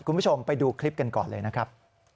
คุณผู้ชมไปดูคลิปกันก่อนเลยนะครับ